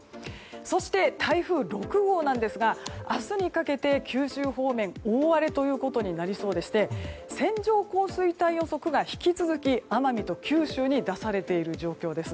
そして台風６号なんですが明日にかけて九州方面、大荒れということになりそうでして線状降水帯予測が引き続き、奄美と九州に出されている状況です。